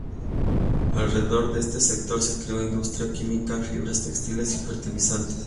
Alrededor de este sector se creó industria química, fibras textiles y fertilizantes.